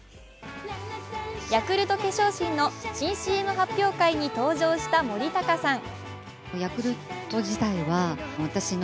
ヤクルト化粧品の新ＣＭ発表会に登場した森高さん。